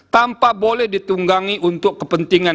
tanpa boleh ditunggangi untuk kepentingan